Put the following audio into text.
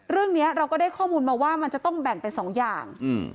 เรื่องนี้เราก็ได้ข้อมูลมาว่ามันจะต้องแบ่งเป็นสองอย่าง